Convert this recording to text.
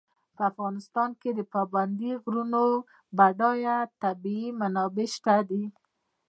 په افغانستان کې د پابندي غرونو بډایه طبیعي منابع شته دي.